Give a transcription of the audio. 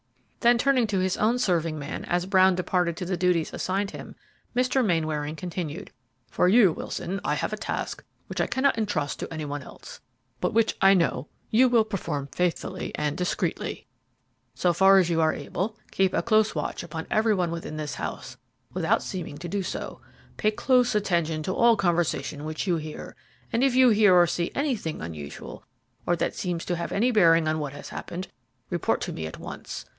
Then turning to his own serving man, as Brown departed to the duties assigned him, Mr. Mainwaring continued, "'For you, Wilson, I have a task which I cannot intrust to any one else, but which I know you will perform faithfully and discreetly; so far as you are able, keep a close watch upon every one within this house, without seeming to do so; pay close attention to all conversation which you hear, and if you hear or see anything unusual, or that seems to have any bearing on what has occurred, report to me at once.